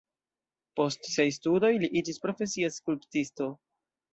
Post siaj studoj li iĝis profesia skulptisto.